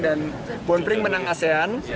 dan bonpring menang asean